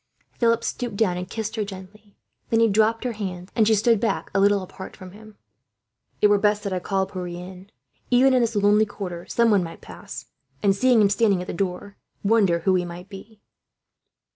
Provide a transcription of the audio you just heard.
Philip stooped down, and kissed her gently. Then he dropped her hands, and she stood back a little apart from him. "It were best that I called Pierre in," he said. "Even in this lonely quarter some one might pass and, seeing him standing at the door, wonder who he might be."